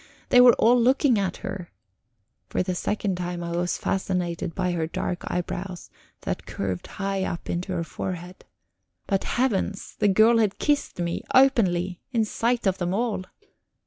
They were all looking at her. For the second time I was fascinated by her dark eyebrows, that curved high up into her forehead. But, Heavens the girl had kissed me openly in sight of them all!